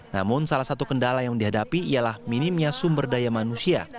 namun salah satu kendala yang dihadapi ialah minimnya sumber daya manusia